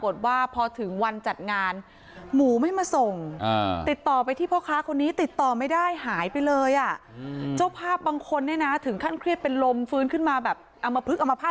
ตัวไม่ได้เครียดจัดโหเงินมันเยอะนะ